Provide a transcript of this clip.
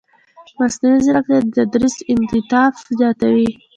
مصنوعي ځیرکتیا د تدریس انعطاف زیاتوي.